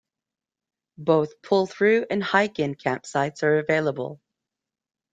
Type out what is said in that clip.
Both pull-through and hike-in campsites are available.